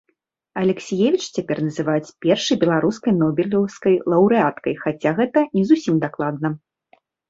Алексіевіч цяпер называюць першай беларускай нобелеўскай лаўрэаткай, хаця, гэта не зусім дакладна.